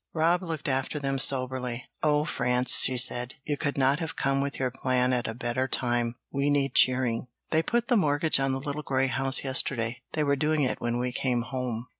Rob looked after them soberly. "Oh, France," she said, "you could not have come with your plan at a better time we need cheering. They put the mortgage on the little grey house yesterday they were doing it when we came home.